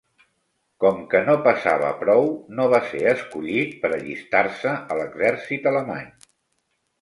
Com que no pesava prou, no va ser escollit per allistar-se a l'exèrcit alemany.